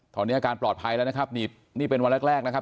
ตอนนี้อาการปลอดภัยแล้วนะครับนี่เป็นวันแรกแรกนะครับ